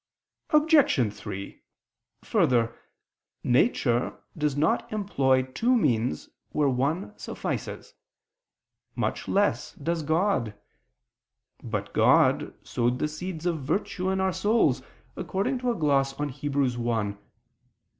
Obj. 3: Further, nature does not employ two means where one suffices: much less does God. But God sowed the seeds of virtue in our souls, according to a gloss on Heb. 1 [*Cf. Jerome on Gal.